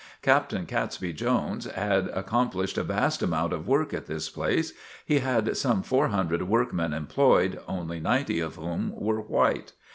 Captain Catesby Jones had accomplished a vast amount of work at this place. He had some four hundred workmen employed, only ninety of whom were white.